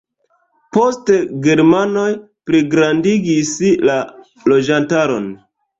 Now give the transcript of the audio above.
Poste germanoj pligrandigis la loĝantaron.